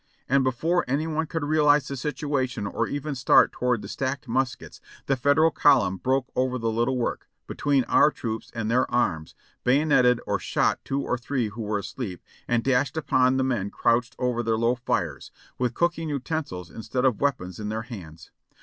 and before any one could realize the situation or even start toward the stacked muskets, the Federal column broke over the Httle work, between our troops and their arms, bayoneted or shot two or three who were asleep, and dashed upon the men crouched over their low fires 576 JOHNNY REB AND BIIvL,Y YANK — with cooking utensils instead of weapons in their hands.